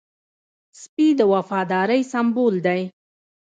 سپي د وفادارۍ سمبول دی.